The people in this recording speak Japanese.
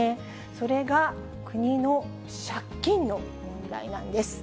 それが国の借金の問題なんです。